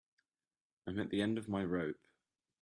I'm at the end of my rope.